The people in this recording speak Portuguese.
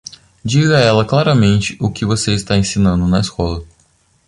Diga a ela claramente o que você está ensinando na escola.